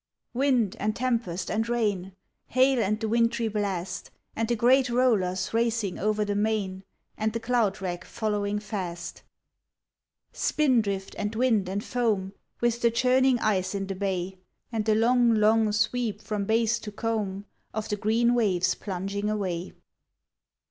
IND and tempest and rain, Hail and the wintry blast And the great rollers racing over the main And the cloud rack following fast :— Spin drift and wind and foam With the churning ice in the bay, And the long long sweep from base to comb Of the green waves plunging away.